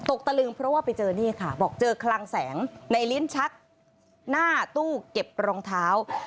ตะลึงเพราะว่าไปเจอนี่ค่ะบอกเจอคลังแสงในลิ้นชักหน้าตู้เก็บรองเท้า